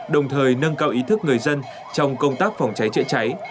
đồng thời nâng cao ý thức người dân trong công tác phòng cháy chữa cháy